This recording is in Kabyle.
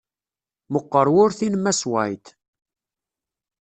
Meqqer urti n mass White.